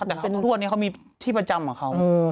แต่ทุกวันนี้เขามีที่ประจำของเขา